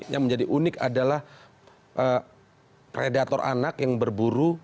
yang menjadi unik adalah predator anak yang berburu